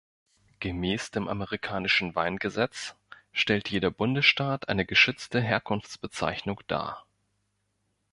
Gemäß dem amerikanischen Weingesetz stellt jeder Bundesstaat eine geschützte Herkunftsbezeichnung dar.